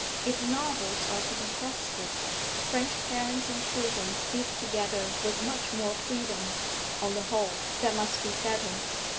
If novels are to be trusted, French parents and children speak together with much more freedom; on the whole that must be better.'